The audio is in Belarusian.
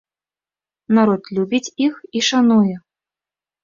Народ любіць іх і шануе.